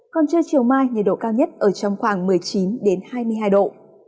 còn trưa chiều mai nhiệt độ cao nhất ở trong khoảng một mươi chín hai mươi hai độ